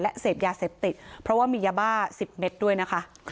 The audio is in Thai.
เสพยาเสพติดเพราะว่ามียาบ้า๑๐เม็ดด้วยนะคะ